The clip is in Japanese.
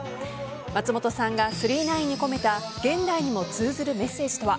松本さんが「９９９」に込めた現代にも通ずるメッセージとは。